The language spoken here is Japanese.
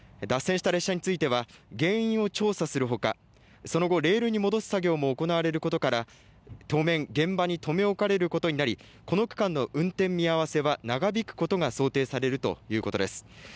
脱線した列車については原因を調査するほかその後、レールに戻す作業も行われることから当面現場に留め置かれることになりこの区間の運転見合わせは長引くことが想定されるということです。